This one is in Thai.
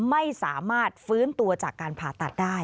ไม่สามารถฟื้นตัวจากการผ่าตัดได้